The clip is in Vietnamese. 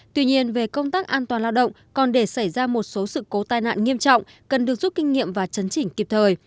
tuy nhiên về công tác an toàn lao động còn để xảy ra một số sự cố tai nạn nghiêm trọng cần được giúp kinh nghiệm và chấn chỉnh kịp thời